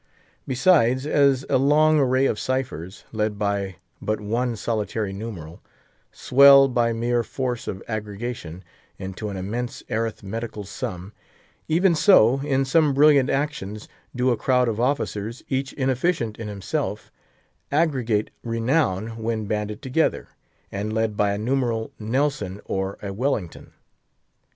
Besides, as a long array of ciphers, led by but one solitary numeral, swell, by mere force of aggregation, into an immense arithmetical sum, even so, in some brilliant actions, do a crowd of officers, each inefficient in himself, aggregate renown when banded together, and led by a numeral Nelson or a Wellington.